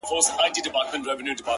غواړمه چي دواړي سترگي ورکړمه-